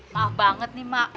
maaf banget nih mak